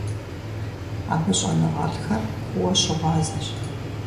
Абы щӏэныгъэлӏхэр фӀыуэ щыгъуазэщ.